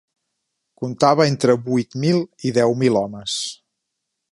Contava entre vuit mil i deu mil homes.